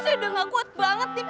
itu warung tuh